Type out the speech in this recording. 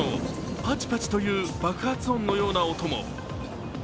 パチパチという爆発音のような音も。